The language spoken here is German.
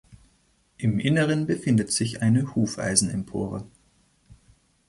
Im Inneren befindet sich eine Hufeisenempore.